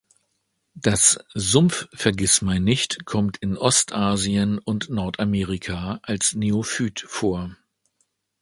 Das Sumpf-Vergissmeinnicht kommt in Ostasien und Nordamerika als Neophyt vor.